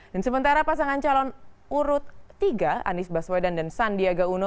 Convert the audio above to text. dan sementara pasangan calon urut tiga anies baswedan dan sandiaga uno